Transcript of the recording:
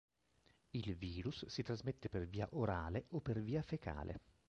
Il virus si trasmette per via orale o per via fecale.